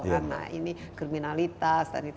karena ini kriminalitas dan itu